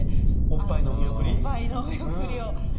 おっぱいのお見送りを。